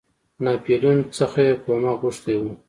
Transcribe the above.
ناپولیون څخه کومک غوښتی وو.